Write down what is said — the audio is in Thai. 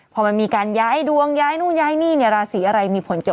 พอมันมีการย้ายดวงย้ายนู่นย้ายนี่เนี่ยราศีอะไรมีผลเกี่ยว